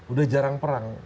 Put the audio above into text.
udah jarang perang